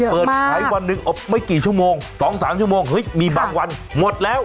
เปิดขายวันหนึ่งอบไม่กี่ชั่วโมง๒๓ชั่วโมงเฮ้ยมีบางวันหมดแล้ว